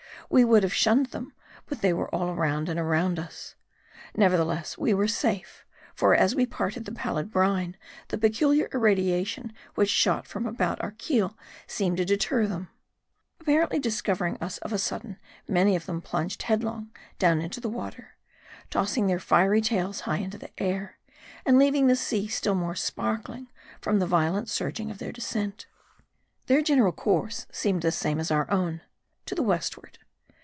We would have shunned them ; but they were all round and round us. Nevertheless we were safe ; for as we parted the pallid brine, the peculiar irradiation which shot from about our keel seemed to deter them. Apparently discovering us of a sudden, many of them plunged headlong down into the water, tossing their fiery tails high into the air, and leaving the sea still more sparkling from the violent surging of their descent. Their general course seemed the same as our own ; to the westward.